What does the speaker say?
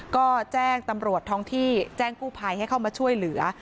ก็แจ้งตำรวจท้องที่แจ้งกู้ภัยให้เข้ามาช่วยเหลือ